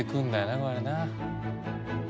これな。